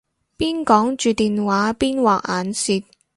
邊講住電話邊畫眼線